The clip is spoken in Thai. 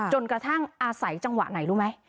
จนกระทั่งอาศัยจังหวะไหนรู้ไหม